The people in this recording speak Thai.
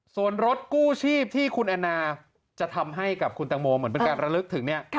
ส่วนรถกู้ชีพที่คุณแอนนาจะทำให้กับคุณตังโมเหมือนเป็นการระลึกถึงเนี่ย